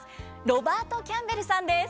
ロバート・キャンベルさんです。